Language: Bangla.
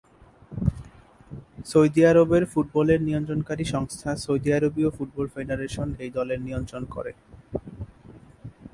সৌদি আরবের ফুটবলের নিয়ন্ত্রণকারী সংস্থা সৌদি আরবীয় ফুটবল ফেডারেশন এই দলের নিয়ন্ত্রণ করে।